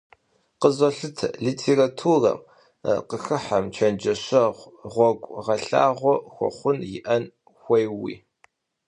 Къызолъытэ, литературэм къыхыхьэм чэнджэщэгъу, гъуэгугъэлъагъуэ хуэхъун иӀэн хуейуи.